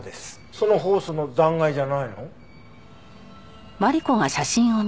そのホースの残骸じゃないの？